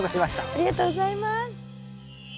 ありがとうございます。